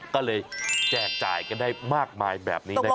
ก็เลยแจกจ่ายกันได้มากมายแบบนี้นะครับ